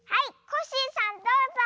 コッシーさんどうぞ！